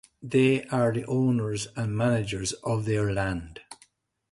They are the owners and managers of their lands.